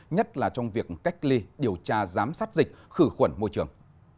nhất là trong việc cách ly điều tra giám sát dịch khử khuẩn môi trường